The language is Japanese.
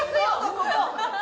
ここ。